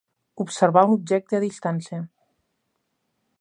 Observar un objecte a distància.